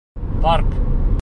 Парк.